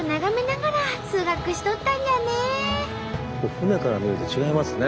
船から見ると違いますね。